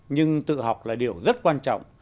nhưng tự học là điều rất quan trọng